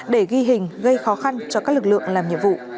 để ghi hình gây khó khăn cho các lực lượng làm nhiệm vụ